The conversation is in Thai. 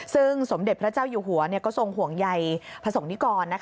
ซึ่งสมเด็จพระเจ้าอยู่หัวก็ทรงห่วงใยพระสงคนิกร